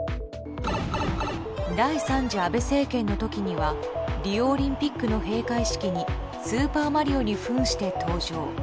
第３次安倍政権の時にはリオオリンピックの閉会式にスーパーマリオに扮して登場。